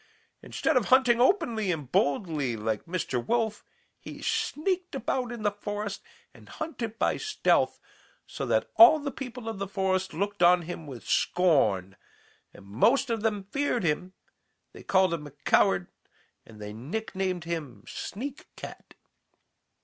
Instead of hunting openly and boldly like Mr. Wolf, he sneaked about in the forest and hunted by stealth, so that all the people of the forest looked on him with scorn, and though most of them feared him, they called him a coward and they nicknamed him 'Sneak cat.'